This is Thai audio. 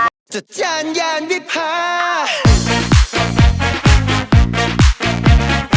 โปรดติดตามตอนต่อไป